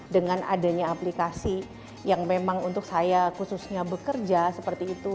dengan adanya aplikasi yang memang untuk saya khususnya bekerja seperti itu